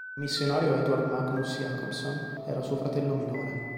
Il missionario Eduard Magnus Jakobson era suo fratello minore.